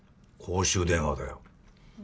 公衆電話だよ。